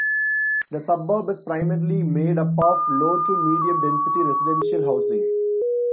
The suburb is primarily made up of low to medium density residential housing.